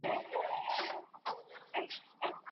دا کار د نورو لپاره دی.